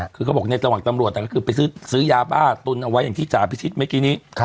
คือเขาบอกในระหว่างตำรวจก็คือไปซื้อยาบ้าตุนเอาไว้อย่างที่จ่าพิชิตเมื่อกี้นี้